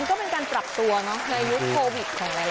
มันก็เป็นการปรับตัวในอายุโควิดของในละคร